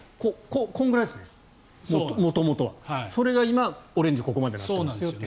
それが今、オレンジここまでになっていますよと。